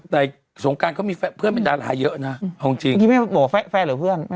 แต่สงการเค้ามีเพื่อนเป็นดาราหาเยอะพี่แม่แบบแฟนหรือเพื่อน